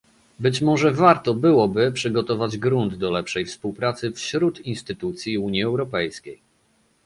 Być może warto byłoby przygotować grunt do lepszej współpracy wśród instytucji Unii Europejskiej